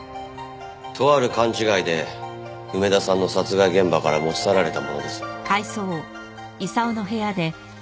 とある勘違いで梅田さんの殺害現場から持ち去られたものです。